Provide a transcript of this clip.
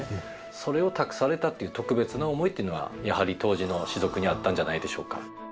それを託されたっていう特別な思いっていうのはやはり当時の士族にあったんじゃないでしょうか。